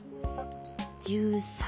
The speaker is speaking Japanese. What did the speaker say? １３？